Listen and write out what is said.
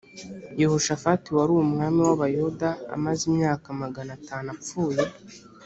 yehoshafati wari umwami w’abayuda amaze imyaka magana itanu apfuye